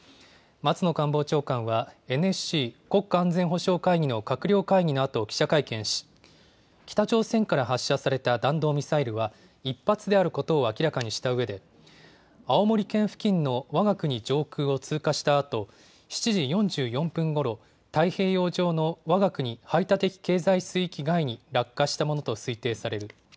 松野官房長官は、ＮＳＣ・国家安全保障会議の閣僚会議のあと記者会見し、北朝鮮から発射された弾道ミサイルは、１発であることを明らかにしたうえで、青森県付近のわが国上空を通過したあと、７時４４分ごろ、太平洋上のわが国排他的経済水域外に落下したものと推定される。